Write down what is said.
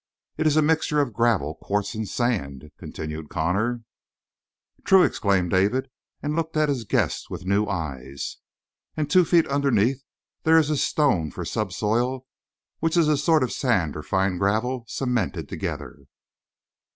"It is a mixture of gravel, quartz and sand," continued Connor. "True!" exclaimed David, and looked at his guest with new eyes. "And two feet underneath there is a stone for subsoil which is a sort of sand or fine gravel cemented together."